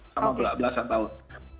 sama belasan tahun